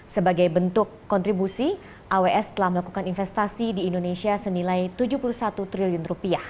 sebagai bentuk kontribusi aws telah melakukan investasi di indonesia senilai rp tujuh puluh satu triliun